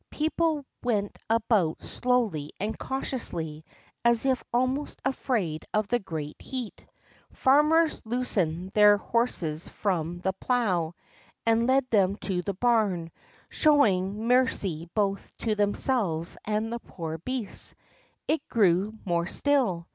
People went about slowly and cautiously, as if almost afraid of the great heat. Panners loosened their horses from the plow, and led them to the barn, showing mercy both to themselves and the poor beasts. It grew more still.